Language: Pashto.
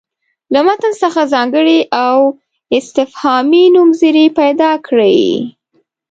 له متن څخه ځانګړي او استفهامي نومځړي پیدا کړي.